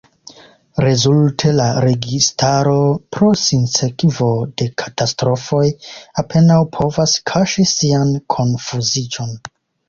Rezulte la registaro, pro sinsekvo de katastrofoj, apenaŭ povas kaŝi sian konfuziĝon.